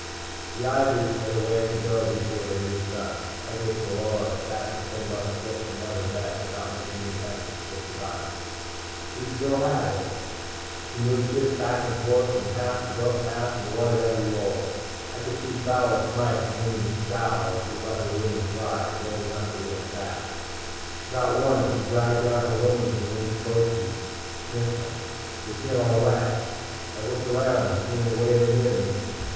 The ivories had a way to go before they reached us. I gave Pheola a stack of ten buck chips and let her bet, without making any effort to tip the dice. She still had it. She moved the chips back and forth from "Pass" to "Don't Pass" and won at every roll. I could see Fowler Smythe begin to scowl as she let her winnings ride, building up a real stack. Without warning she dragged down her winnings and leaned close to me, sniffling. "You'll get all wet!" I looked around, seeing a waiter near me.